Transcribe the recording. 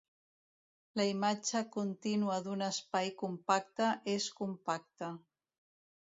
La imatge contínua d'un espai compacte és compacta.